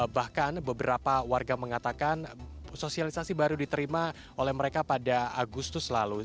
bahkan beberapa warga mengatakan sosialisasi baru diterima oleh mereka pada agustus lalu